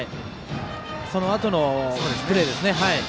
そのあとのプレーですね。